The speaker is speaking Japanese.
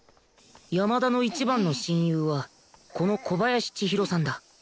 山田の一番の親友はこの小林ちひろさんだ